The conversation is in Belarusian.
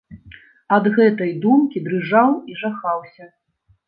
Ад гэтай думкі дрыжаў і жахаўся.